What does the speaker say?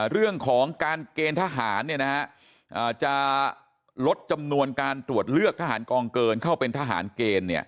เรื่องของการเกณฑ์ทหารจะลดจำนวนการตรวจเลือกทหารกองเกินเข้าเป็นทหารเกณฑ์